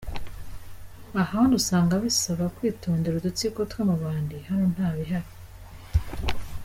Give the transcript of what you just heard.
Ahandi usanga bisaba kwitondera udutsiko tw’amabandi, hano nta bihari.